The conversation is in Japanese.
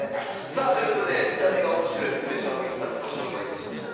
さあということで見た目がおもしろい詰将棋２つご紹介いたしました。